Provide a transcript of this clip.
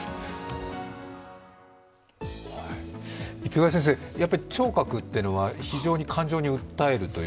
池谷先生、聴覚というのは非常に感情に訴えると。